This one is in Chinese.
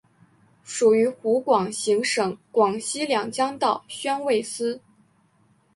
属于湖广行省广西两江道宣慰司。